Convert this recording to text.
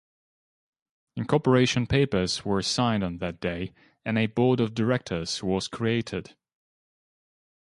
Incorporation papers were signed on that day and a board of directors was created.